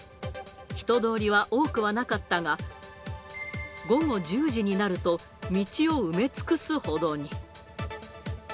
人通りは多くはなかったが、午後１０時になると、道を埋め尽くすほどに。